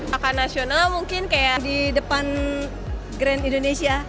akan nasional mungkin kayak di depan grand indonesia